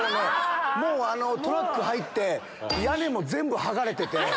トラック入って屋根も全部剥がれてて。